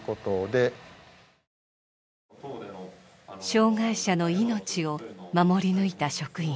障害者の命を守り抜いた職員。